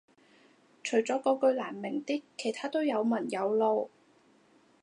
除咗嗰句難明啲其他都有文有路